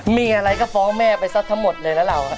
มีอะไรก็ฟ้องแม่ไปซะทั้งหมดเลยนะเรา